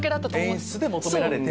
演出で求められて。